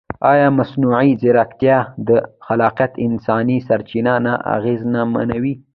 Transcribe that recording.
ایا مصنوعي ځیرکتیا د خلاقیت انساني سرچینه نه اغېزمنوي؟